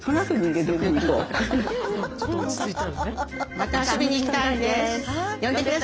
また遊びに行きたいです。